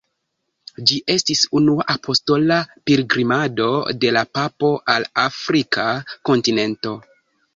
Ĝi estis unua apostola pilgrimado de la papo al Afrika kontinento.